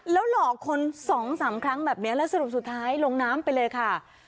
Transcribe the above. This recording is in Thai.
แล้วหลอกคนสองสามครั้งแบบนี้แล้วสรุปสุดท้ายลงน้ำไปเลยค่ะ